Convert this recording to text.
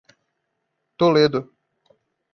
Toledo